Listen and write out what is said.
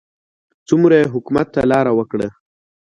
څومره یې حکومت ته لار وکړه.